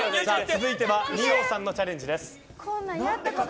続いては二葉さんのチャレンジです。